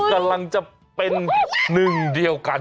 กำลังจะเป็นหนึ่งเดียวกัน